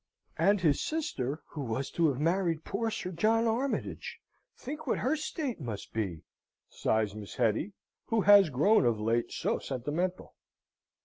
"And his sister, who was to have married poor Sir John Armytage, think what her state must be!" sighs Miss Hetty, who has grown of late so sentimental.